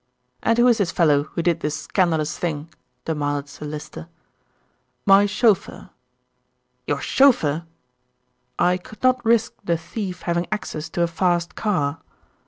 "And who is this fellow who did this scandalous thing?" demanded Sir Lyster. "My chauffeur." "Your chauffeur!" "I could not risk the thief having access to a fast car."